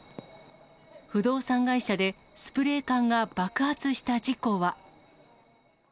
不動産会社で、スプレー缶が爆発した事故は。